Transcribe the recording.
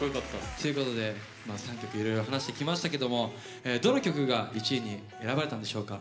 ということで３曲いろいろ話してきましたけどもどの曲が１位に選ばれたんでしょうか。